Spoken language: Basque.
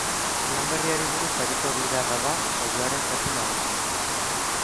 Lan berriari buruz ariko dira, bada, saioaren zati nagusienean.